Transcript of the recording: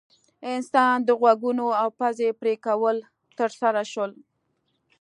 انسان د غوږونو او پزې پرې کول ترسره شول.